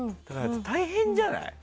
大変じゃない？